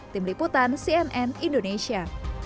tim liputan cnn indonesia